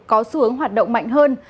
có xu hướng hoạt động mạnh hơn